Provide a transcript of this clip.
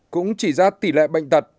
cũng chỉ ra tỷ lệ bệnh tật